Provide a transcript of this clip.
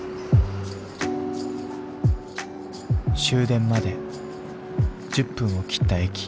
終電まで１０分を切った駅。